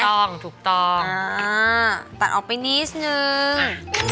ถูกต้องถูกต้องตัดออกไปนิดนึง